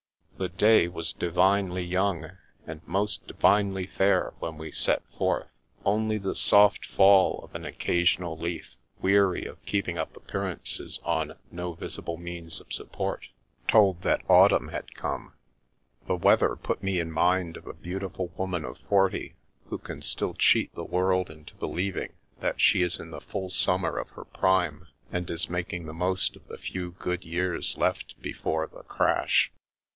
The day was divinely young, and most divinely fair, when we set forth. Only the soft fall of an occasional leaf, weary of keeping up appearances on no visible means of support, told that autumn had 276 The Princess Passes come. The weather put me in mind of a beautiful woman of forty, who can still cheat the world into believing that she is in the full summer of her prime, and is making the most of the few good years left before the crash.